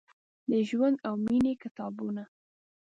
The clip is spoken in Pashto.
د ژوند او میینې کتابونه ،